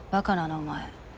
お前。